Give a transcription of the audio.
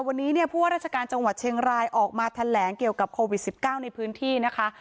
วันนี้เนี่ยผู้ว่าราชการจังหวัดเชียงรายออกมาแถลงเกี่ยวกับโควิด๑๙ในพื้นที่นะคะ